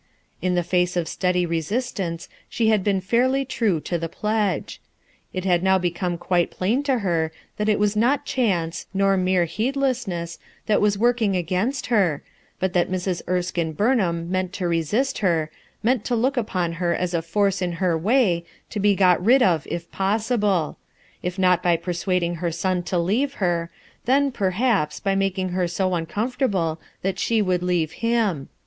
In the face of steady resistance she had been fairly true to the pledge. It had now become quite plain to 182 ruth EltSKINE'S SON her that it was not chance, nor mere heedlessnesg that was working against her, but that Mrs' Erskmc Burnham meant to resist her, meant to look upon her as a force in her way, to be got rid of if possible; if not by persuading her son to leave her, then, perhaps by making her so uncomfortable that she would leave him.